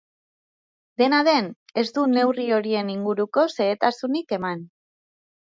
Dena den, ez du neurri horien inguruko xehetasunik eman.